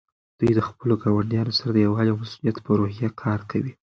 دوی د خپلو ګاونډیانو سره د یووالي او مسؤلیت په روحیه کار کوي.